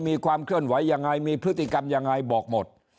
มีความเคลื่อนไหวยังไงมีพฤติกรรมยังไงบอกหมด